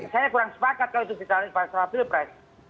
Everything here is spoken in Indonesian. saya kurang sepakat kalau itu ditanyakan oleh pak asep pilpres